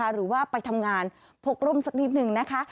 หรือว่าไปทำงานพกร่มสักนิดนึงนะคะ